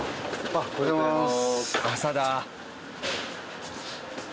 おはようございます。